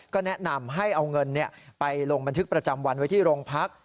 ก็แนะนำให้เอาเงินไปลงบันทึกประจำวันไว้ที่โรงพัก